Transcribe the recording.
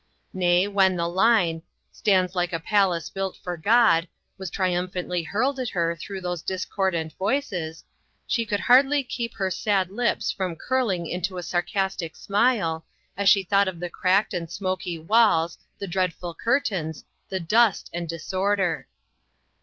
Nay, when the line, Stands like a palace built for God, was triumphantly hurled at her through those discordant voices, she could hardly keep her sad lips from curling into a sar castic smile, as she thought of the cracked and smoky walls, the dreadful curtains, the dust and disorder.